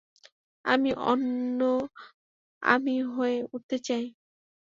আমি, অন্য আমি হয়ে উঠতে চাই।